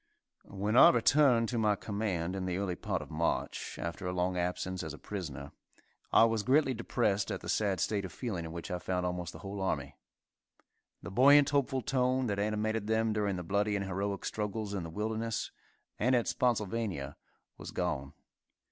When I returned to my command in the early part of March, after a long absence as a prisoner, I was greatly depressed at the sad state of feeling in which I found almost the whole army. The buoyant, hopeful tone that animated them during the bloody and heroic struggles in the Wilderness, and at Spotsylvania, was gone.